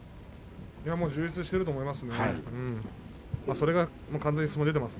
充実していると思います。